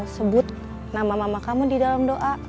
sebut nama mama kamu di dalam doa